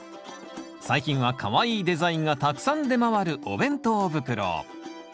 最近はかわいいデザインがたくさん出回るお弁当袋。